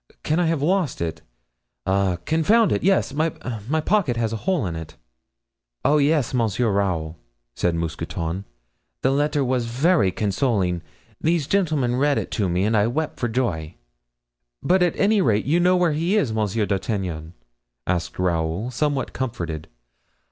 Can I have lost it? Ah! confound it! yes, my pocket has a hole in it." "Oh, yes, Monsieur Raoul!" said Mousqueton, "the letter was very consoling. These gentlemen read it to me and I wept for joy." "But at any rate, you know where he is, Monsieur d'Artagnan?" asked Raoul, somewhat comforted.